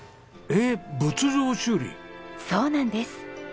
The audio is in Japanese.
そうなんです。